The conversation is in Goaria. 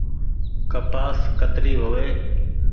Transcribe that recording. ڪپآس ڪتري هووي ۔